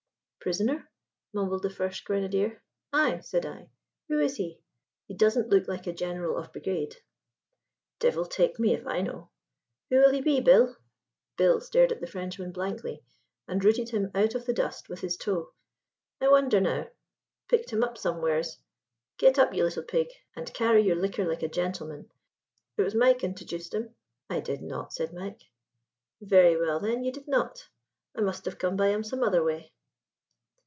"Prisoner?" mumbled the first grenadier. "Ay," said I. "Who is he? He doesn't look like a general of brigade." "Devil take me if I know. Who will he be, Bill?" Bill stared at the Frenchman blankly, and rooted him out of the dust with his toe. "I wonder, now! 'Picked him up, somewheres Get up, you little pig, and carry your liquor like a gentleman. It was Mike intojuced him." "I did not," said Mike. "Very well, then, ye did not. I must have come by him some other way."